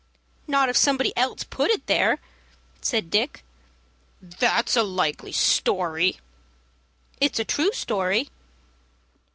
"Not if somebody else put it there," said Dick. "That's a likely story." "It's a true story."